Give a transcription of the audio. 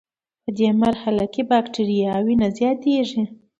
پدې مرحله کې بکټریاوې نه زیاتیږي.